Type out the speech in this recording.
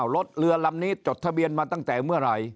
เรือลำนี้จดทะเบียนมาตั้งแต่เมื่อไหร่